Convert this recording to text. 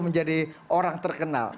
menjadi orang terkenal